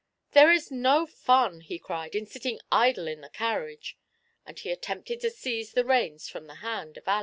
"There is no fun," he cried, "in sitting idle in the carnage ;" and he attempted to seize the reins from the hand of Aleck.